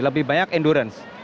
lebih banyak endurance